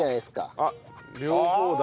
あっ両方だ。